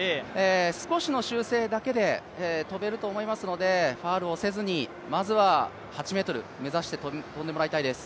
少しの修正だけで、跳べると思いますのでファウルをせずにまずは８ｍ目指して跳んでもらいたいです。